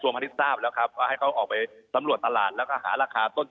คัดตราซัปรุดที่เปลิดออกไปรวมทั้งเต้นใส่กางมันด้วย